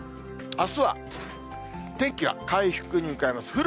あすは天気は回復に向かいます。